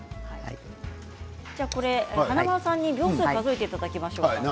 華丸さんに秒数を数えていただきましょう。